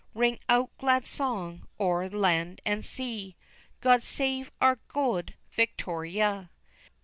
Ring out glad song o'er land and sea; God save our Good Victoria!